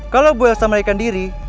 kalau bu elsa menaikkan diri